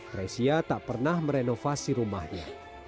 grecia tak pernah merenovasi rumahnya